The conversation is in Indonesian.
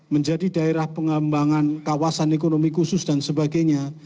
menjadi daerah pengembangan kawasan ekonomi khusus dan sebagainya